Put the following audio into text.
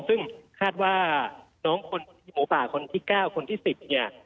ซึ่งคาดว่าน้องคนที่หมูป่าคนที่๙คนที่๑๐เนี่ย